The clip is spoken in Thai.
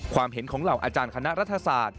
ความเห็นของเหล่าอาจารย์คณะรัฐศาสตร์